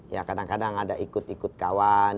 ya kadang kadang ada ikut ikut kawan